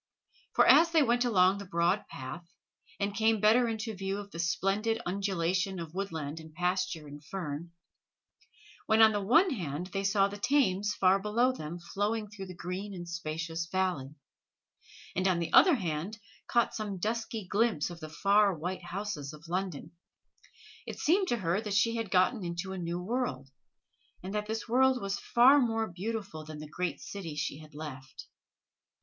For as they went along the broad path, and came better into view of the splendid undulation of woodland and pasture and fern, when on the one hand they saw the Thames far below them flowing through the green and spacious valley, and on the other hand caught some dusky glimpse of the far white houses of London, it seemed to her that she had got into a new world, and that this world was far more beautiful than the great city she had left.